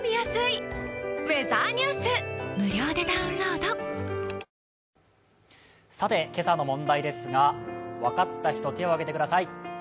逆から読んでも今朝の問題ですが、分かった人、手を挙げてください。